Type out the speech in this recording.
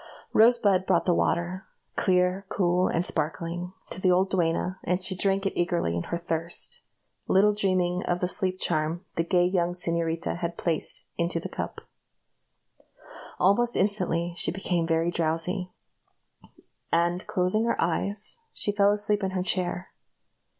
Rosebud brought the water clear, cool, and sparkling to the old duenna, and she drank it eagerly in her thirst, little dreaming of the sleep charm the gay young señorita had dropped into the cup. Almost instantly she became very drowsy, and, closing her eyes, she fell asleep in her chair.